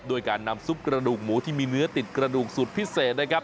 ด้วยการนำซุปกระดูกหมูที่มีเนื้อติดกระดูกสูตรพิเศษนะครับ